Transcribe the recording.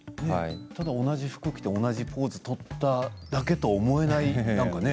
ただ同じ服を着て同じポーズを取っただけとは思えませんね。